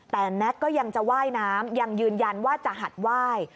แต่แน็กก็ยังจะว่ายน้ำยังยืนยันว่าจะหัดไหว้